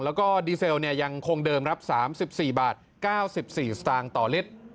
แล้วก็ดีเซลยังคงเดิมครับ๓๔บาท๙๔สตางค์ต่อลิตร